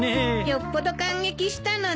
よっぽど感激したのね。